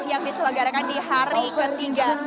yang diselenggarakan di hari ketiga